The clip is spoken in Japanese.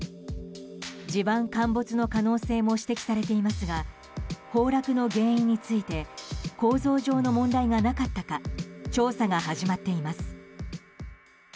地盤陥没の可能性も指摘されていますが崩落の原因について構造上の問題がなかったか調査が始まっています。